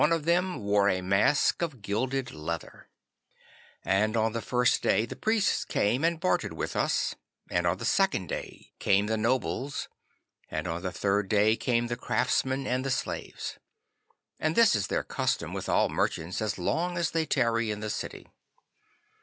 One of them wore a mask of gilded leather. 'And on the first day the priests came and bartered with us, and on the second day came the nobles, and on the third day came the craftsmen and the slaves. And this is their custom with all merchants as long as they tarry in the city.